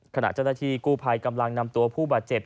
ขณะเจ้าหน้าที่กู้ภัยกำลังนำตัวผู้บาดเจ็บ